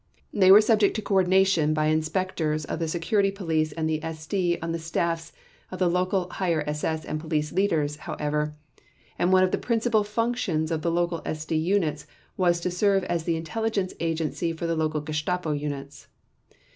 They were subject to coordination by Inspectors of the Security Police and SD on the staffs of the local Higher SS and Police Leaders, however, and one of the principal functions of the local SD units was to serve as the intelligence agency for the local Gestapo units.